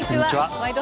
「ワイド！